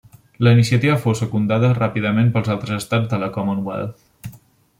La iniciativa fou secundada ràpidament pels altres estats de la Commonwealth.